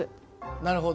なるほど。